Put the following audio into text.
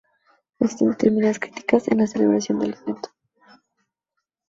Existen determinadas críticas a la celebración del evento.